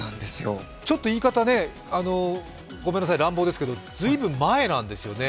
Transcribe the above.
ちょっと言い方、ごめんなさい、乱暴ですけど、随分前なんですよね。